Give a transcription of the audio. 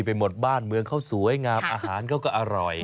ไปหมดบ้านเมืองเขาสวยงามอาหารเขาก็อร่อย